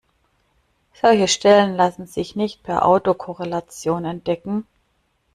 Solche Stellen lassen sich nicht per Autokorrelation entdecken.